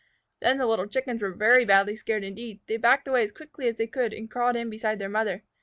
Then the little Chickens were very badly scared indeed. They backed away as quickly as they could, and crawled in beside their mother.